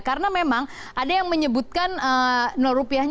karena memang ada yang menyebutkan rupiah